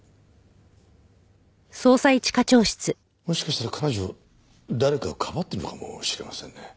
もしかしたら彼女誰かをかばってるのかもしれませんね。